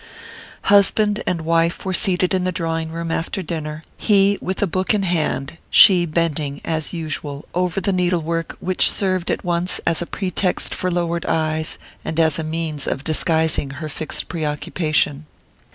Husband and wife were seated in the drawing room after dinner, he with a book in hand, she bending, as usual, over the needlework which served at once as a pretext for lowered eyes, and as a means of disguising her fixed preoccupation.